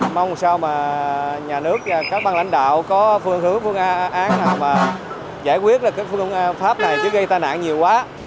mong sao mà nhà nước các băng lãnh đạo có phương hướng phương án nào mà giải quyết phương pháp này chứ gây tai nạn nhiều quá